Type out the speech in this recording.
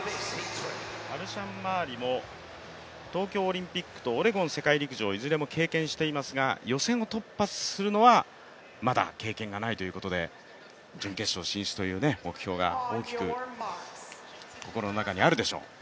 アルシャンマーリも東京オリンピックとオレゴン世陸陸上をいずれも経験していますが予選を突破するのはまだ経験がないということで準決勝進出という目標が大きく心の中にあるでしょう。